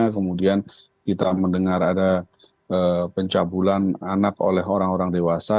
kemudian kita mendengar ada pencabulan anak oleh orang orang dewasa